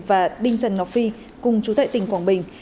và đinh trần ngọc phi cùng chủ tệ tỉnh quảng bình